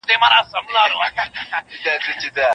نننۍ هڅه د سبا راحت تضمینوي.